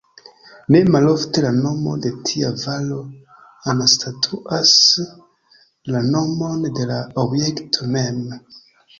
Ne malofte la nomo de tia varo anstataŭas la nomon de la objekto mem.